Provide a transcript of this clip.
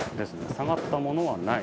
下がったものはない。